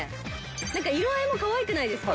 何か色合いもかわいくないですか？